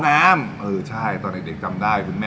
ร้านต้นเครื่องมันเป็นร้านที่เปิดมายาวนานนะ